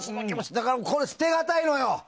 だからこれ、捨てがたいのよ。